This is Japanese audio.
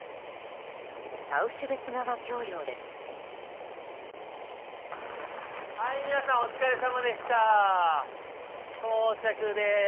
タウシュベツ川橋梁です。